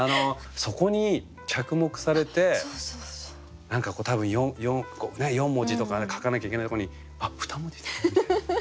そこに着目されて何か多分４文字とか書かなきゃいけないとこにあっふた文字みたいな。